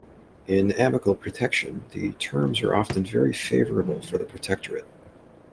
In amical protection, the terms are often very favorable for the protectorate.